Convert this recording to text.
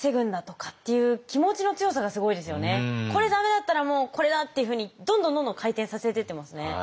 「これ駄目だったらもうこれだ！」っていうふうにどんどんどんどん回転させてってますね。